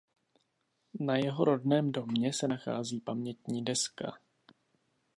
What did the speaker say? Na jeho rodném domě se nachází pamětní deska.